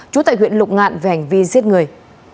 trú tại huyện lục ngạn về hành vi giết người